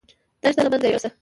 دا رشته له منځه يوسه.